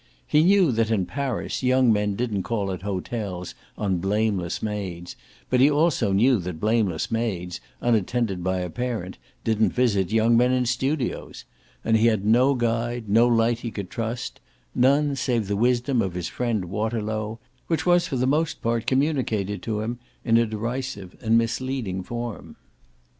He knew that in Paris young men didn't call at hotels on blameless maids, but he also knew that blameless maids, unattended by a parent, didn't visit young men in studios; and he had no guide, no light he could trust none save the wisdom of his friend Waterlow, which was for the most part communicated to him in a derisive and misleading form.